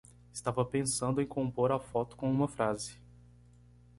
Estava pensando em compor a foto com uma frase